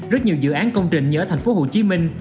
rất nhiều dự án công trình như ở thành phố hồ chí minh